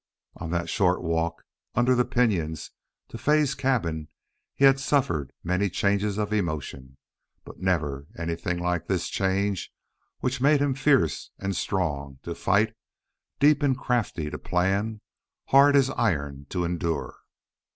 On that short walk under the pinyons to Fay's cabin he had suffered many changes of emotion, but never anything like this change which made him fierce and strong to fight, deep and crafty to plan, hard as iron to endure.